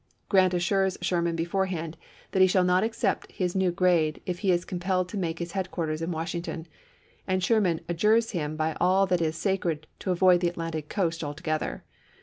Grant assures Sherman beforehand that he shall not accept his new grade if he is compelled to make his headquarters in Wash ington, and Sherman adjures him by all that is sacred to avoid the Atlantic coast altogether.